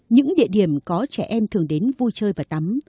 những địa điểm có trẻ em thường đến vui chơi và tắm